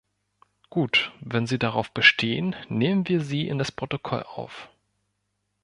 Gut, wenn Sie darauf bestehen, nehmen wir sie in das Protokoll auf.